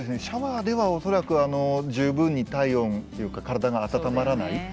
シャワーでは恐らく十分に体温っていうか体が温まらない。